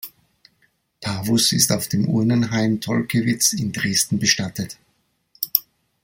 Parvus ist auf dem Urnenhain Tolkewitz in Dresden bestattet.